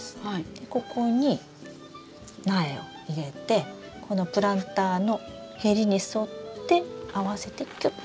でここに苗を入れてこのプランターの縁に沿って合わせてキュッ。